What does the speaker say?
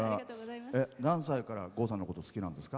何歳から郷さんのこと好きなんですか？